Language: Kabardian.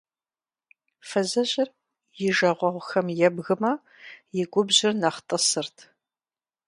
Фызыжьыр и жагъуэгъухэм ебгмэ, и губжьыр нэхъ тӀысырт.